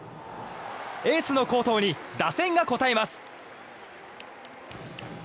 エースの好投に打線が応えます。